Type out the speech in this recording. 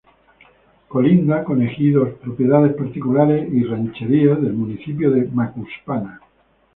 Colinda con ejidos, propiedades particulares y rancherías del municipio de Macuspana.